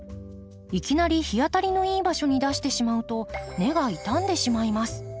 いきなり日当たりのいい場所に出してしまうと根が傷んでしまいます。